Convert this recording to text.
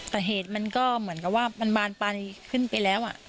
แต่เหตุมันก็เหมือนกับว่ามันบานปลายขึ้นไปแล้ว